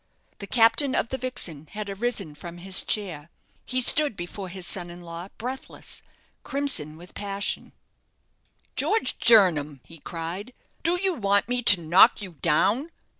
The captain of the "Vixen" had arisen from his chair. He stood before his son in law, breathless, crimson with passion. "George Jernam," he cried, "do you want me to knock you down?